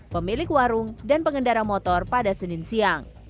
pemilik warung dan pengendara motor pada senin siang